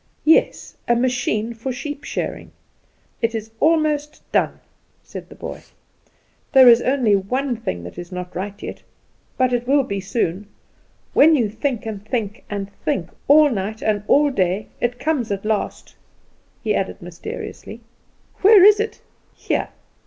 "Yes; a machine for shearing sheep. It is almost done," said the boy. "There is only one thing that is not right yet; but it will be soon. When you think, and think, and think, all night and all day, it comes at last," he added mysteriously. "Where is it?" "Here!